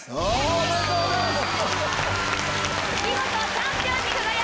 ありがとうございます！